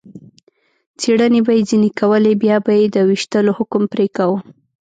څېړنې به یې ځنې کولې، بیا به یې د وېشتلو حکم پرې کاوه.